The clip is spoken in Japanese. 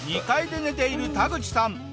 ２階で寝ているタグチさん。